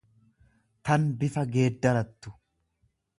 tan bifa geeddarattu.